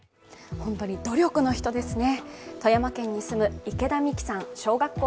本当に努力の人ですね。